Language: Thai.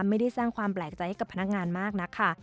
ไม่ได้สร้างความแปลกใจให้กับพนักงานมากนักค่ะ